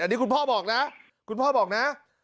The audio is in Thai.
อันนี้คุณพ่อบอกนะคุณพ่อบอกนะ